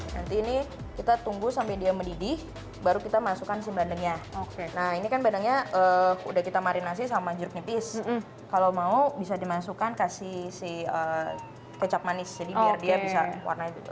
nanti ini kita tunggu sampai dia mendidih baru kita masukkan si bandengnya oke nah ini kan bandengnya udah kita marinasi sama jeruk nipis kalau mau bisa dimasukkan kasih si kecap manis jadi biar dia bisa warnanya juga